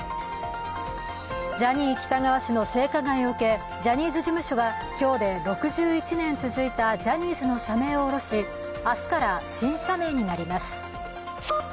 ジャニー喜多川氏の性加害を受け、ジャニーズ事務所は今日で６１年続いたジャニーズの社名を下ろし明日から新社名になります。